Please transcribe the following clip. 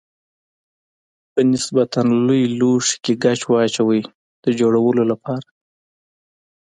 په نسبتا لوی لوښي کې ګچ واچوئ د جوړولو لپاره.